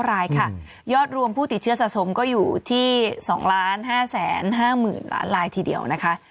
รายค่ะยอดรวมผู้ติดเชื้อสะสมก็อยู่ที่๒๕๕๐๐๐ล้านรายทีเดียวนะคะ